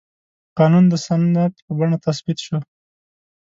قانون د سند په بڼه تثبیت شو.